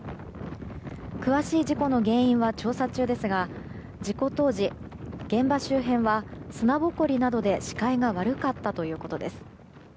詳しい事故の原因は調査中ですが事故当時、現場周辺は砂ぼこりなどで視界が悪かったということです。